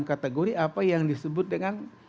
kategori apa yang disebut dengan